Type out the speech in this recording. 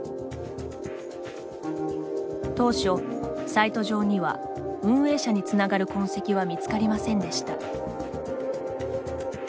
当初、サイト上には運営者につながる痕跡は見つかりませんでした。